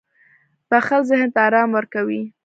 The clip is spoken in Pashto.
• بښل ذهن ته آرام ورکوي.